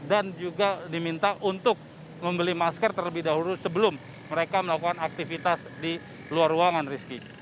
menggunakan masker mereka juga diminta untuk memutar balik dan juga diminta untuk membeli masker terlebih dahulu sebelum mereka melakukan aktivitas di luar ruangan rizky